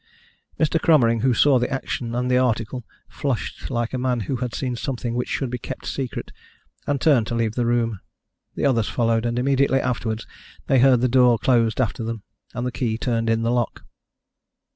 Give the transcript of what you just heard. Mr. Cromering, who saw the action and the article, flushed like a man who had seen something which should be kept secret, and turned to leave the room. The others followed, and immediately afterwards they heard the door closed after them, and the key turned in the lock.